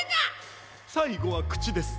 さいごはくちです。